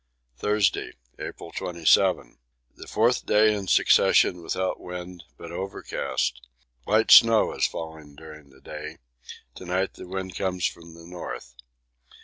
Thursday, April 27. The fourth day in succession without wind, but overcast. Light snow has fallen during the day to night the wind comes from the north.